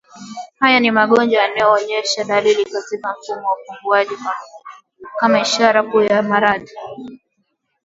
Haya ni magonjwa yanayoonesha dalili katika mfumo wa upumuaji kama ishara kuu ya maradhi